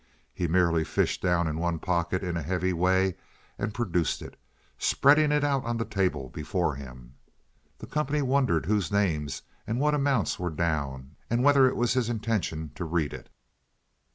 He merely fished down in one pocket in a heavy way and produced it, spreading it out on the table before him. The company wondered whose names and what amounts were down, and whether it was his intention to read it.